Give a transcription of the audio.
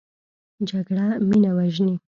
جګړه مینه وژني